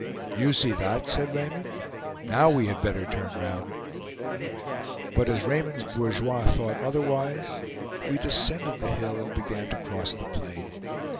"Do you see that?" said Raymond; "Now we had better turn round." But as Raymond's bourgeois thought otherwise, we descended the hill and began to cross the plain.